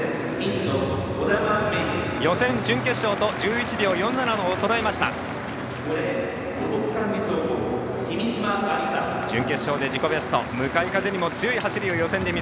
予選、準決勝と１１秒４７をそろえました、兒玉。